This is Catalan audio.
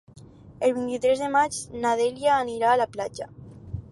El vint-i-tres de maig na Dèlia anirà a la platja.